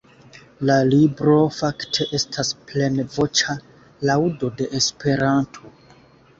La libro fakte estas plenvoĉa laŭdo de Esperanto.